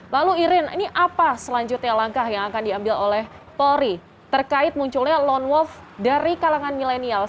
lalu irin ini apa selanjutnya langkah yang akan diambil oleh polri terkait munculnya lone wolf dari kalangan milenial